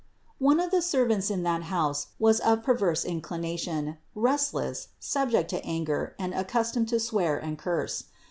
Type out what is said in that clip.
255. One of the servants in that house was of per verse inclination, restless, subject to anger, and accus tomed to swear and curse.